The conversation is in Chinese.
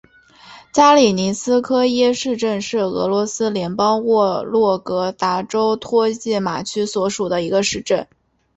加里宁斯科耶市镇是俄罗斯联邦沃洛格达州托季马区所属的一个市镇。